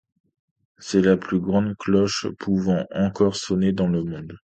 C'est la plus grande cloche pouvant encore sonner dans le monde.